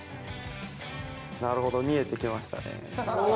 なるほど見えてきましたね。